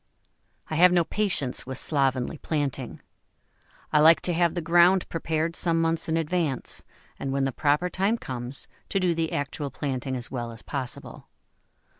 I have no patience with slovenly planting. I like to have the ground prepared some months in advance, and when the proper time comes, to do the actual planting as well as possible.